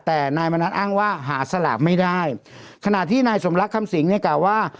แต่นายมณัฐอ้างว่าหาสลากไม่ได้ขณะที่นายสมรักคำสิงเนี่ยกล่าวว่า